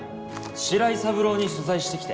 白井三郎に取材してきて。